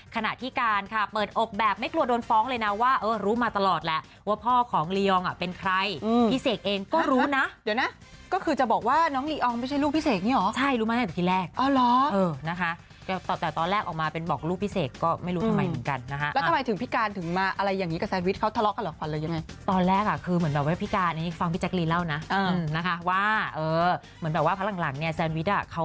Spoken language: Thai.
ขณะที่การค่ะเปิดอบแบบไม่กลัวโดนฟ้องเลยนะว่ารู้มาตลอดแหละว่าพ่อของลีอองเป็นใครพี่เสกเองก็รู้นะเดี๋ยวนะก็คือจะบอกว่าน้องลีอองไม่ใช่ลูกพี่เสกนี่เหรอใช่รู้มาตั้งแต่ที่แรกเออเหรอเออนะคะแต่ตอนแรกออกมาเป็นบอกลูกพี่เสกก็ไม่รู้ทำไมเหมือนกันนะคะแล้วทำไมถึงพี่การถึงมาอะไรอย่างงี้กับแซนวิชเขาทะเลาะกั